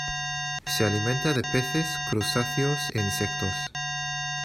Se alimenta de peces, crustáceos e insectos.